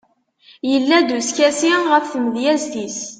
yella-d uskasi ɣef tmedyazt-is